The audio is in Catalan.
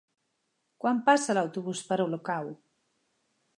Quan passa l'autobús per Olocau?